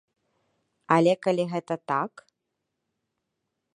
Але калі гэта так!